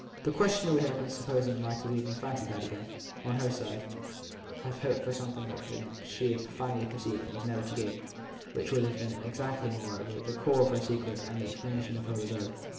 The questioner we have been supposing might even have fancied that each, on her side, had hoped for something from it that she finally perceived it was never to give, which would have been exactly, moreover, the core of her secret and the explanation of her reserve.